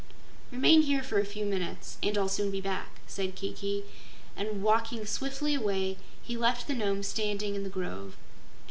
"Remain here for a few minutes and I'll soon be back," said Kiki, and walking swiftly away, he left the Nome standing in the grove.